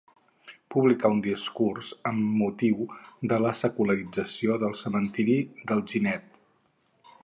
Publicà un discurs amb motiu de la secularització del cementeri d'Alginet.